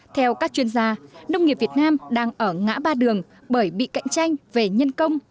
theo các chuyên gia nông nghiệp việt nam đang ở ngã ba đường bởi bị cạnh tranh về nhân công